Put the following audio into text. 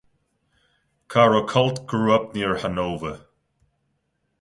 Caro Cult grew up near Hanover.